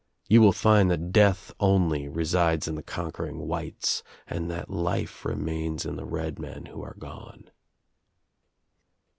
You will iind that death only resides in the conquering whites and that life remains in the red men who arc gone."